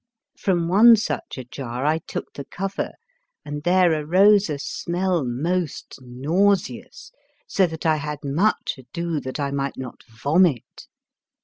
From one such a jar I took the cover, and there arose a smell most nauseous, so that I had much ado that I might not vomit.